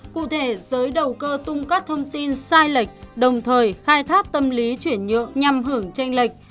cụ thể giới đầu cơ tung các thông tin sai lệch đồng thời khai thác tâm lý chuyển nhượng nhằm hưởng tranh lệch